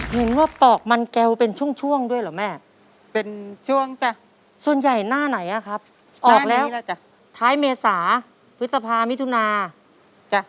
เห็นว่าปอกมันแก้วเป็นช่วงด้วยหรอแม่เป็นช่วงจ้ะส่วนใหญ่หน้าไหนนะครับออกแล้วท้ายเมษาวิทยาภาพมิถุนา